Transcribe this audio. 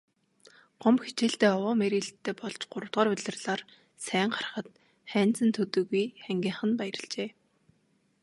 Гомбо хичээлдээ овоо мэрийлттэй болж гуравдугаар улирлаар сайн гарахад Хайнзан төдийгүй ангийнхан нь баярлажээ.